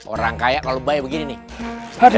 orang kaya kalau bayi begini nih